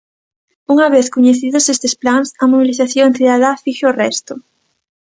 Unha vez coñecidos estes plans, a mobilización cidadá fixo o resto.